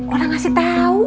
orang ngasih tau